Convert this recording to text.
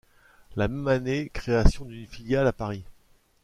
La même année, création d'une filiale à Paris.